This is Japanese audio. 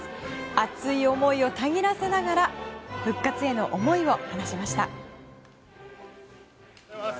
熱い思いをたぎらせながら復活への思いを話しました。